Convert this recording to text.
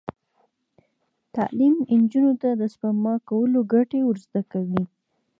تعلیم نجونو ته د سپما کولو ګټې ور زده کوي.